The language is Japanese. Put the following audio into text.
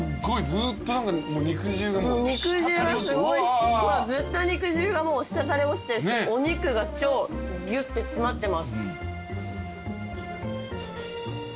ずっと肉汁がもう滴り落ちてるしお肉が超ギュッて詰まってます。